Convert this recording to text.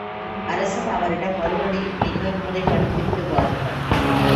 அரசன் அவரிடம் மறுபடியும், இன்னொரு முறை படித்துவிட்டு வாருங்கள்.